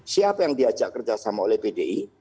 siapa yang diajak kerjasama oleh pdi